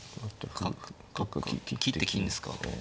角切って金ですか？